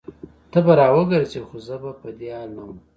ته به راوګرځي خو زه به په دې حال نه وم